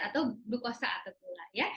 atau glukosa atau gula